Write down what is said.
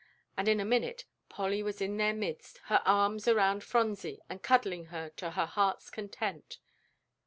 And in a minute Polly was in their midst, her arms around Phronsie, and cuddling her to her heart's content.